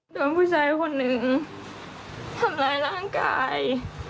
โดนผู้ชายคนหนึ่งทำร้ายร่างกาย